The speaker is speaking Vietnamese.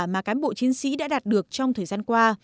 mà cán bộ chiến sĩ đã đạt được trong thời gian qua